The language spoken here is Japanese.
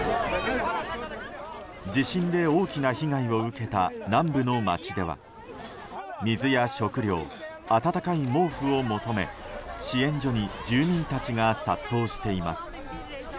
地震で大きな被害を受けた南部の街では水や食料、温かい毛布を求め支援所に住人たちが殺到しています。